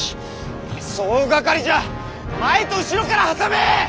総がかりじゃ前と後ろから挟め！